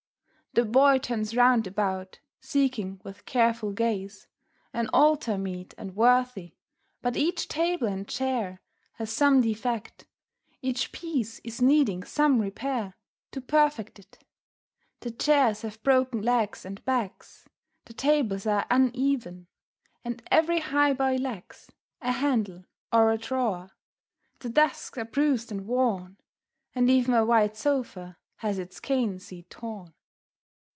The Boy turns round about, seeking with careful gaze An altar meet and worthy, but each table and chair Has some defect, each piece is needing some repair To perfect it; the chairs have broken legs and backs, The tables are uneven, and every highboy lacks A handle or a drawer, the desks are bruised and worn, And even a wide sofa has its cane seat torn.